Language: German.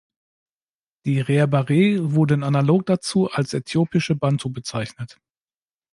Die Rer Bare wurden analog dazu als „äthiopische Bantu“ bezeichnet.